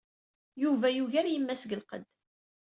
Yuba yugar yemma-s deg lqedd.